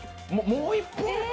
もう一本。